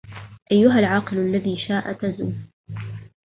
أيها العاقل الذي شاء تزو